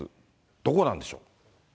どこなんでしょう？